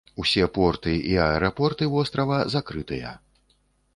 Усе порты і аэрапорты вострава закрытыя.